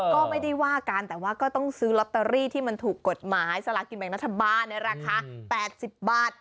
ก็ไม่ได้ว่ากันแต่ว่าก็ต้องซื้อลอตเตอรี่ที่มันถูกกฎหมายสลากินแบ่งรัฐบาลในราคา๘๐บาท